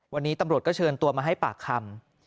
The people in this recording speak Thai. วันนี้ตำรวจก็เชิญตัวมาให้ปากคำ